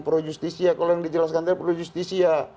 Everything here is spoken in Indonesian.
pro justisia kalau yang dijelaskan tadi pro justisia